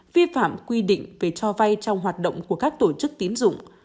vi phạm quy định về cho vay trong hoạt động của các tổ chức tín dụng